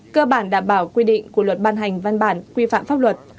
cơ bản đảm bảo quy định của luật ban hành văn bản quy phạm pháp luật